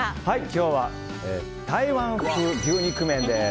今日は台湾風牛肉麺です。